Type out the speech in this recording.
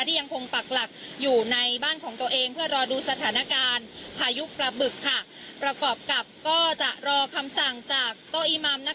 ยังคงปักหลักอยู่ในบ้านของตัวเองเพื่อรอดูสถานการณ์พายุปลาบึกประกอบกับก็จะรอคำสั่งจากโต๊ะอีมัม